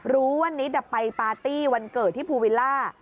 ว่านิดไปปาร์ตี้วันเกิดที่ภูวิลล่า